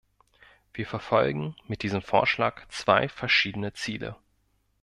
Wir verfolgen mit diesem Vorschlag zwei verschiedene Ziele.